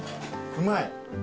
・うまい。